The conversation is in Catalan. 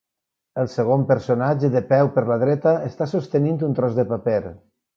El segon personatge de peu per la dreta està sostenint un tros de paper.